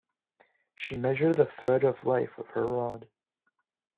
She measured the thread of life with her rod.